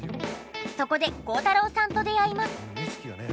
そこで孝太郎さんと出会います。